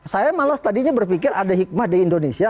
saya malah tadinya berpikir ada hikmah di indonesia